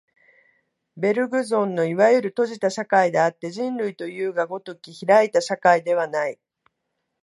ベルグソンのいわゆる閉じた社会であって、人類というが如き開いた社会ではない。